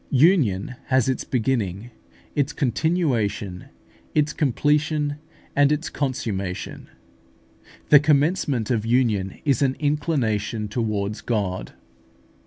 Union has its beginning, its continuation, its completion, and its consummation. The commencement of union is an inclination towards God.